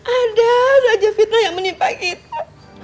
ada raja fitnah yang menimpa kita